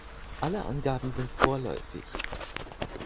Alle Angaben sind vorläufig.